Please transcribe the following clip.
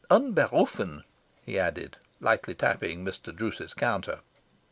Unberufen," he added, lightly tapping Mr. Druce's counter.